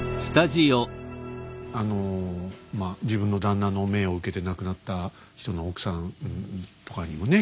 あの自分の旦那の命を受けて亡くなった人の奥さんとかにもね